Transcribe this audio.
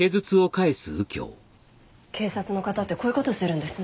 警察の方ってこういう事するんですね。